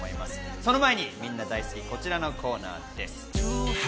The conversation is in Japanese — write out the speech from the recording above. その前にみんな大好きこちらのコーナーです。